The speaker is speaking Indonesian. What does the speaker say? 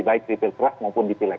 baik di pilkras maupun di pilek